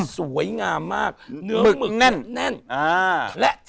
สิ่วใจเอื้อหะ